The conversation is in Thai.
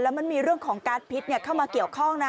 มันมีเรื่องของการ์ดพิษเข้ามาเกี่ยวข้องนะ